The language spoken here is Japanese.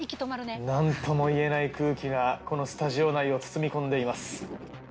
何ともいえない空気がこのスタジオ内を包み込んでいます。